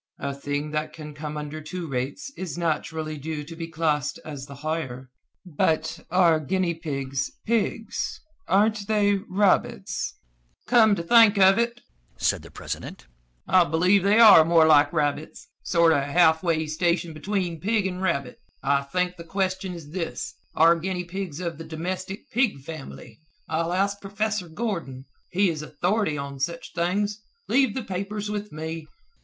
A thing that can come under two rates is naturally due to be classed as the higher. But are guinea pigs, pigs? Aren't they rabbits?" "Come to think of it," said the president, "I believe they are more like rabbits. Sort of half way station between pig and rabbit. I think the question is this are guinea pigs of the domestic pig family? I'll ask professor Gordon. He is authority on such things. Leave the papers with me."